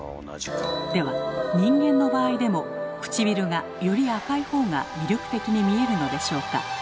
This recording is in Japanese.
では人間の場合でもくちびるがより赤いほうが魅力的に見えるのでしょうか？